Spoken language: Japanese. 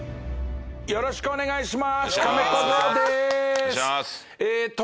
よろしくお願いします！